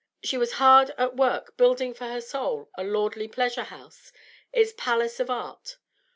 She was bard at work building for her soul its 'lordly pleasure house,' its Palace of Art.